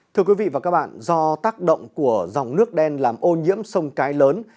thưa quý vị và các bạn do tác động của dòng nước đen làm ô nhiễm sông cái lớn